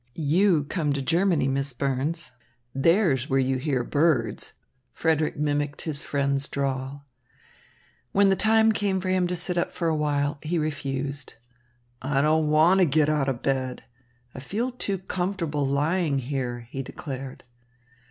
"You come to Germany, Miss Burns. There's where you hear birds," Frederick mimicked his friend's drawl. When the time came for him to sit up for a while, he refused. "I don't want to get out of bed. I feel too comfortable lying here," he declared.